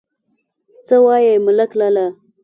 _څه وايې، ملک لالا!